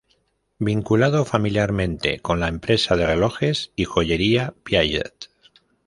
Vinculado familiarmente con la empresa de relojes y joyería Piaget.